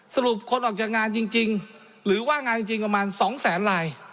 สรุปคนออกจากงานจริงหรือว่างานจริงประมาณ๒แสนลาย